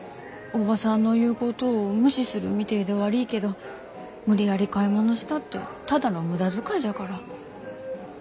おばさんの言うことを無視するみてえで悪いけど無理やり買い物したってただの無駄遣いじゃから。